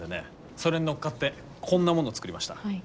それに乗っかってこんなものを作りました。